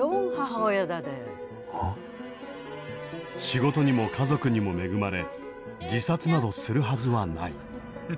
仕事にも家族にも恵まれ自殺などするはずはない。